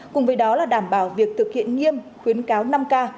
cùng với đó là đảm bảo việc thực hiện nghiêm khuyến cáo năm k